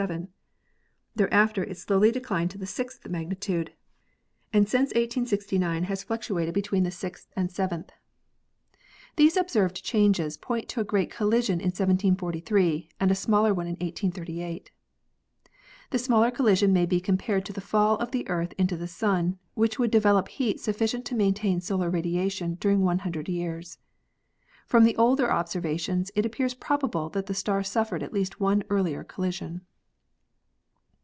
Thereafter it slowly declined to the sixth magnitude and since 1869 has fluctuated be 282 ASTRONOMY tween the sixth and seventh. These observed changes point to a great collision in 1743 and a smaller one in 1838. The smaller collision may be compared to the fall of the Earth into the Sun, which would develop heat sufficient to maintain solar radiation during 100 years. From the older observations it appears probable that the star suffered at least one earlier collision.